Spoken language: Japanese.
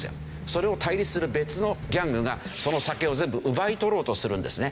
それを対立する別のギャングがその酒を全部奪い取ろうとするんですね。